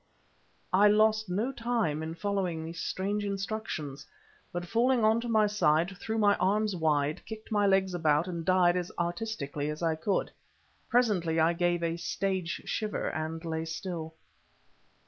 I lost no time in following these strange instructions, but falling on to my side, threw my arms wide, kicked my legs about, and died as artistically as I could. Presently I gave a stage shiver and lay still.